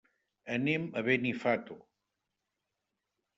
Anem a Benifato.